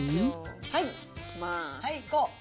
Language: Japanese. はい、いきます。